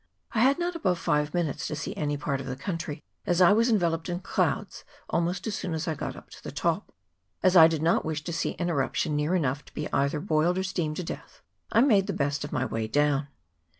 I had not above five minutes to see any part of the country, as I was enveloped in clouds almost as soon as I got up to the top. As I did not wish to see an eruption near enough to be either boiled or steamed to death, I made the best of my way down.